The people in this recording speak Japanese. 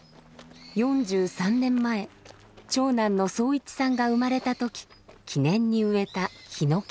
４３年前長男の惣一さんが生まれた時記念に植えたヒノキです。